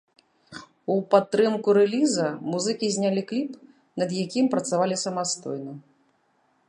У падтрымку рэліза музыкі знялі кліп, над якім працавалі самастойна.